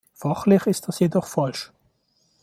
Fachlich ist das jedoch falsch.